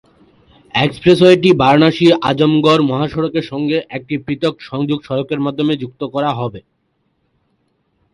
এক্সপ্রেসওয়েটি বারাণসী-আজমগড় মহাসড়কের সঙ্গে একটি পৃথক সংযোগ সড়কের মাধ্যমে যুক্ত করা হবে।